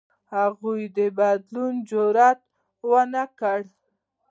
هغوی د بدلون جرئت ونه کړ.